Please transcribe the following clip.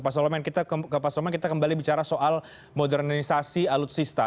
pak soleman kita kembali bicara soal modernisasi alutsista